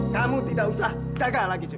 kamu tidak usah jaga lagi